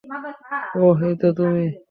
ওহ, এইতো তুমি।